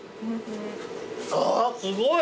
あすごい。